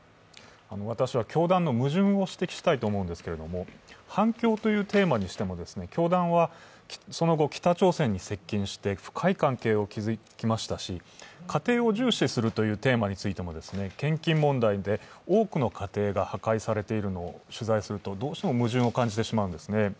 私は教団の矛盾を指摘していきたいと思うんですけれども反共というテーマにしても教団はその後、北朝鮮に接近して深い関係を築きましたし家庭を重視するというテーマでも献金問題で多くの家庭が破壊されているのを取材すると、どうしても矛盾を感じてしまうんですね。